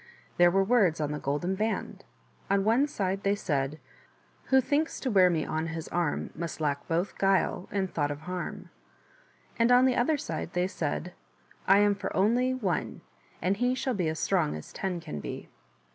There were words on the golden band ; on one side they said : "WHO THINKS TO WEAR ME ON HIS ARM MUST LACK BOTH GUILE AND THOUGHT OP HARM." And on the other side they said : ''I AM FOR ONLY ONE AND HE SHALL BE AS STRONG AS TEN CAN BE.'